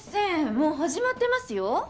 もう始まってますよ。